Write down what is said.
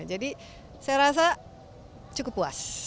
jadi saya rasa cukup puas